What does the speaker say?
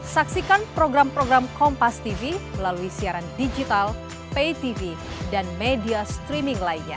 saksikan program program kompas tv melalui siaran digital pay tv dan media streaming lainnya